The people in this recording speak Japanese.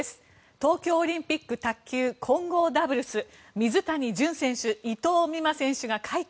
東京オリンピック卓球・混合ダブルス水谷隼選手、伊藤美誠選手が快挙。